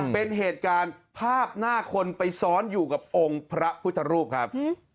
เป็นเหตุการณ์ภาพหน้าคนไปซ้อนอยู่กับองค์พระพุทธรูปครับ